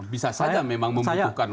bisa saja memang membutuhkan